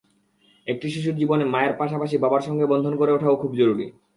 একটি শিশুর জীবনে মায়ের পাশাপাশি বাবার সঙ্গে বন্ধন গড়ে ওঠাও খুব জরুরি।